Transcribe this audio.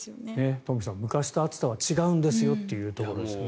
東輝さん、昔と暑さは違うんですねというところです。